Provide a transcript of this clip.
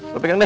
lo pegang deh